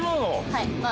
はい。